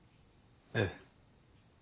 ええ。